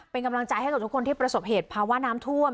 เป็นกำลังใจให้กับทุกคนที่ประสบเหตุภาวะน้ำท่วม